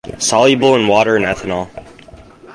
Soluble in water and ethanol.